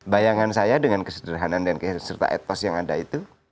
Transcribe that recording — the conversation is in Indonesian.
bayangan saya dengan kesederhanaan dan serta etos yang ada itu